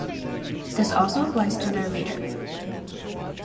This also applies to their leader.